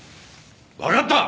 分かった！